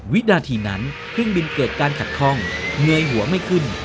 วินาทีนั้นเครื่องบินเกิดการขัดข้องเงยหัวไม่ขึ้น